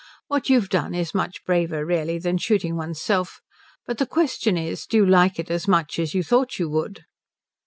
What you've done is much braver really than shooting one's self. But the question is do you like it as much as you thought you would?"